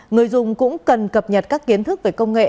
người dùng cũng cần cập nhật các kiến thức về công nghệ